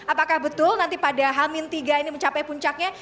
apakah betul nanti pada hamin tiga ini mencapai puncaknya